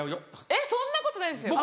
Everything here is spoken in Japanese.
えっそんなことないですよ。